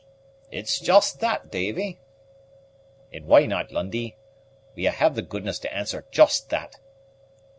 "It's just that, Davy." "And why not, Lundie? Will ye have the goodness to answer just that?"